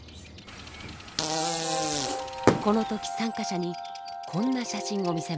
この時参加者にこんな写真を見せました。